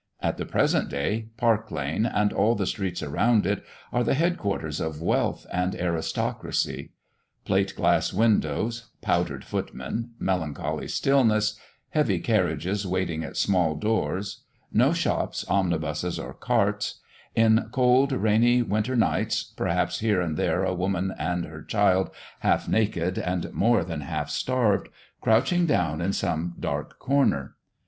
At the present day, Park lane, and all the streets around it, are the head quarters of wealth and aristocracy. Plate glass windows powdered footmen melancholy stillness heavy carriages waiting at small doors no shops, omnibuses, or carts in cold, rainy, winter nights, perhaps here and there a woman and her child half naked, and more than half starved, crouching down in some dark corner.